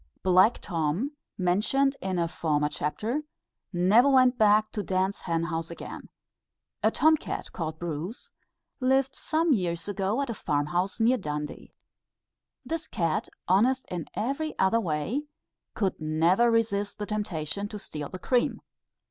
Black Tom, mentioned in a former chapter, never went back to Dan's hen house again. A Tom cat, called Bruce, lived some years ago, at a farm house near Dundee. This cat honest in every other way could never resist the temptation to steal the cream.